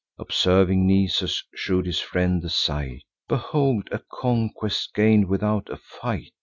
Observing Nisus shew'd his friend the sight: "Behold a conquest gain'd without a fight.